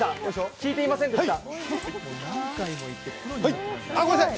聞いていませんでした。